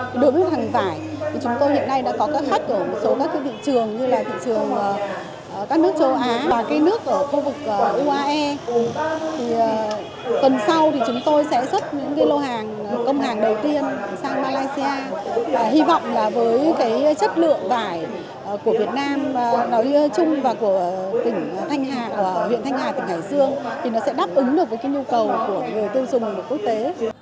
huyện thanh hà tỉnh hải dương sẽ đáp ứng được với nhu cầu của người tiêu dùng quốc tế